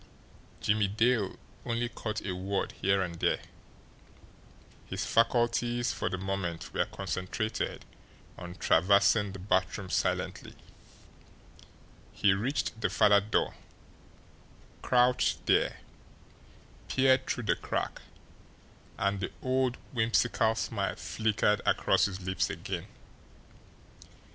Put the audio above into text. Jimmie Dale only caught a word here and there his faculties for the moment were concentrated on traversing the bathroom silently. He reached the farther door, crouched there, peered through the crack and the old whimsical smile flickered across his lips again.